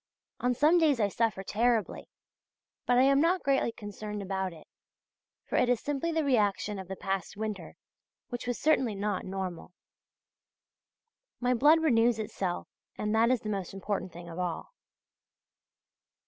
On some days I suffer terribly! but I am not greatly concerned about it, for it is simply the reaction of the past winter, which was certainly not normal. My blood renews itself, and that is the most important thing of all.